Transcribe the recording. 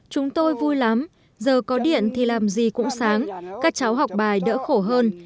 chúng tôi vui lắm giờ có điện thì làm gì cũng sáng các cháu học bài đỡ khổ hơn